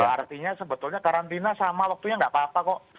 artinya sebetulnya karantina sama waktunya nggak apa apa kok